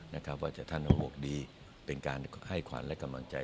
ว่าจะท่านโหกดีเป็นการให้ขวัญและกำลังใจ